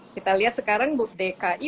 kita lihat sekarang dki